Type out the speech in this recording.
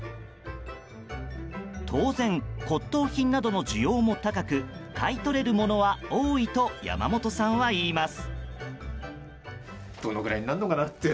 当然、骨董品などの需要も高く買い取れるものは多いと山本さんは言います。